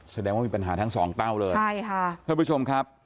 แสดงว่ามีปัญหาทั้งสองเต้าเลยใช่ค่ะท่านผู้ชมครับ